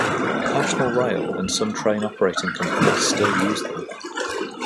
National Rail and some train operating companies still use them.